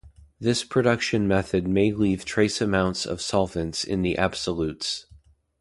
This production method may leave trace amounts of solvents in the absolutes.